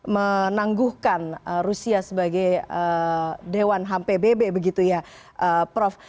menangguhkan rusia sebagai dewan hpbb begitu ya prof